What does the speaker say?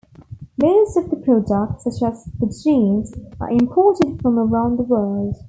Most of the products, such as the jeans, are imported from around the world.